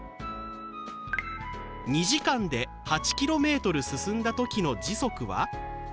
２時間で８ｋｍ進んだ時の時速は？